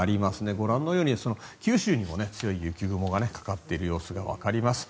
ご覧のように九州にも強い雪雲がかかっている様子がわかります。